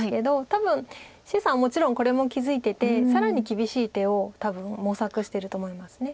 多分謝さんはもちろんこれも気付いてて更に厳しい手を多分模索してると思います。